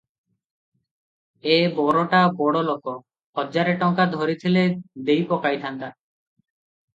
ଏ ବରଟା ବଡ଼ଲୋକ, ହଜାରେ ଟଙ୍କା ଧରିଥିଲେ ଦେଇ ପକାଇଥାନ୍ତା ।